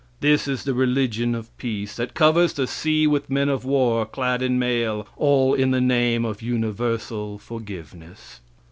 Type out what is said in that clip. This is the religion of peace, that covers the sea with men of war, clad in mail, all in the name of universal forgiveness.